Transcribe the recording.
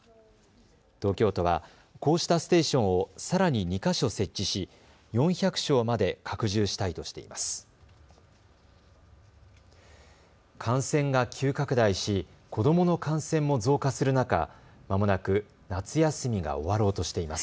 東京都はこうしたステーションをさらに２か所設置し４００床まで拡充したいとしています。